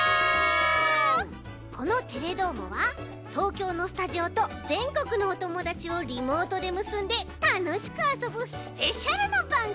この「テレどーも！」は東京のスタジオとぜんこくのおともだちをリモートでむすんでたのしくあそぶスペシャルなばんぐみだち。